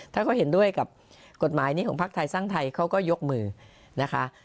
ถ้าเขาเห็นด้วยกับกฎหมายนี้ของพักไทยสร้างไทยเขาก็ยกมือนะคะ